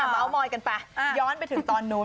เมาส์มอยกันไปย้อนไปถึงตอนนู้น